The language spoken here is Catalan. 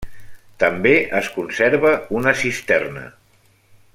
També es conserva una cisterna.